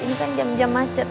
ini kan jam jam macet